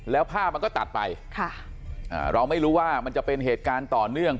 แล้วภาพมันก็ตัดไปเราไม่รู้ว่ามันจะเป็นเหตุการณ์ต่อเนื่อง